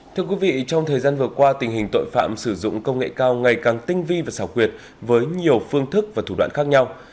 thưa quý vị trong thời gian vừa qua tình hình tội phạm sử dụng công nghệ cao ngày càng tinh vi và xảo quyệt với nhiều phương thức và thủ đoạn khác nhau